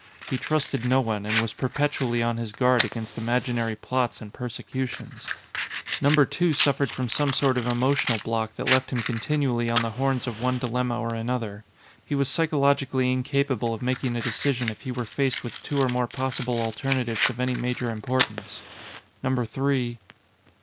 He trusted no one, and was perpetually on his guard against imaginary plots and persecutions. Number two suffered from some sort of emotional block that left him continually on the horns of one dilemma or another. He was psychologically incapable of making a decision if he were faced with two or more possible alternatives of any major importance. Number three